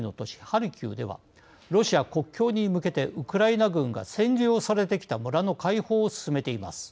ハルキウではロシア国境に向けてウクライナ軍が占領されてきた村の解放を進めています。